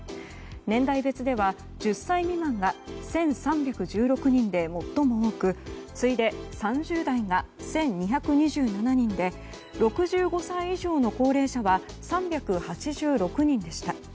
年代別では、１０歳未満が１３１６人で最も多く次いで３０代が１２２７人で６５歳以上の高齢者は３８６人でした。